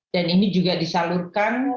dan ini juga disalurkan